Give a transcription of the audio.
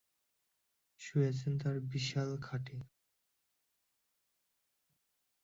শুয়ে আছেন তাঁর বিশাল খাটে।